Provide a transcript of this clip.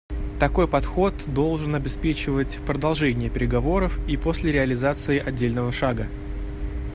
Такой подход должен обеспечивать продолжение переговоров и после реализации отдельного шага.